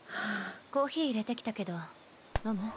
コーヒーいれてきたけど飲む？